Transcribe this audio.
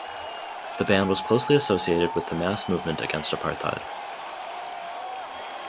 The band was closely associated with the mass movement against apartheid.